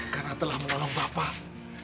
karena telah menolong bapak